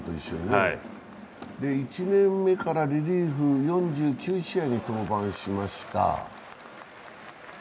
１年目からリリーフ４９試合に登板しました。